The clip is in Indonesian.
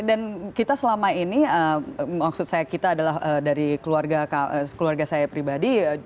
dan kita selama ini maksud saya kita adalah dari keluarga saya pribadi